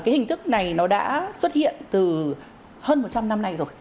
hình thức này đã xuất hiện từ hơn một trăm linh năm nay rồi